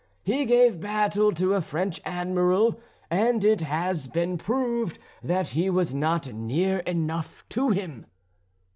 He gave battle to a French Admiral; and it has been proved that he was not near enough to him."